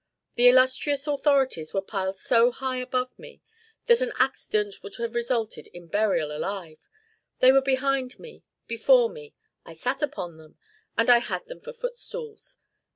The illustrious authorities were piled so high above me, that an accident would have resulted in burial alive; they were behind me, before me, I sat upon them, and I had them for footstools.